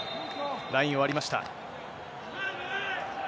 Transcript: ラインを割りました。